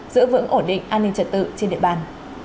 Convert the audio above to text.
giữ vững ổn định an ninh trật tự trên địa bàn